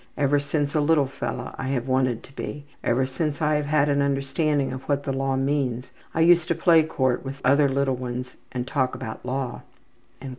Ever since a little fellow I have wanted to be ever since I have had an understanding of what the law means. I used to play court with the other little ones and talk about law.''